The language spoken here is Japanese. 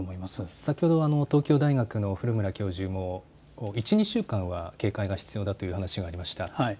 先ほど東京大学の古村教授も１、２週間は警戒が必要だとお話ししていました。